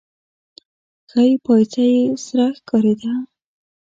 ښۍ پايڅه يې سره ښکارېده.